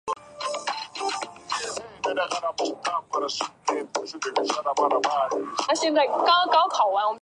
该庙位于中华民国台南市中西区。